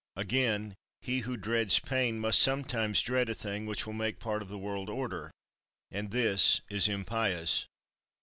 Again, he who dreads pain must sometimes dread a thing which will make part of the world order, and this is impious.